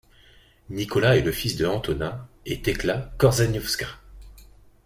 Nicolas est le fils de Antoni et Tekla Korzeniowska.